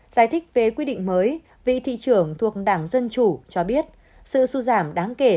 giải thích về quy định mới vị thị trưởng thuộc đảng dân chủ cho biết sự sụt giảm đáng kể